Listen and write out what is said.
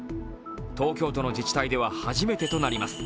東京都の自治体では初めてとなります。